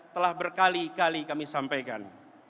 telah berkali kali kami sampaikan